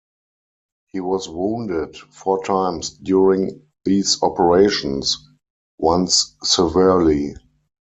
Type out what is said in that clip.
He was wounded four times during these operations, once severely.